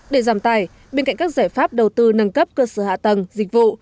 để giảm tài bên cạnh các giải pháp đầu tư nâng cấp cơ sở hạ tầng dịch vụ